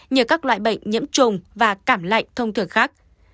nhờ các loại bệnh nhiễm trùng và cảm lạnh thông thường khác